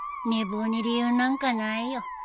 寝坊に理由なんかないよ